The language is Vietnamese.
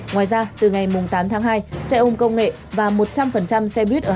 ngoài ra từ ngày tám tháng hai xe ôm công nghệ và một trăm linh xe buýt ở hà nội đã được trở lại hoạt động bình thường